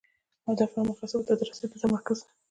اهدافو او مقاصدو ته د رسیدو تمرکز دی.